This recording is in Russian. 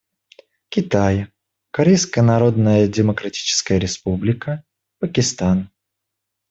Китай, Корейская Народно-Демократическая Республика, Пакистан.